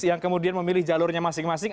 yang kemudian memilih jalurnya masing masing